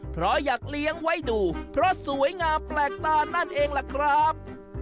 เพราะอยากเลี้ยงไว้ดูเพราะสวยงามแปลกตานั่นเองล่ะครับ